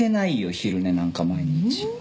昼寝なんか毎日は。